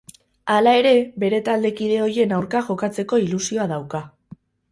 Hala ere, bere taldekide ohien aurka jokatzeko ilusioa dauka.